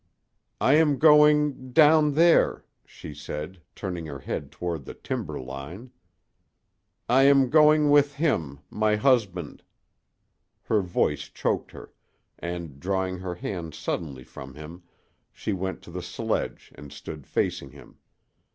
"I am going down there," she said, turning her head toward the timber line. "I am going with him my husband " Her voice choked her, and, drawing her hands suddenly from him, she went to the sledge and stood facing him.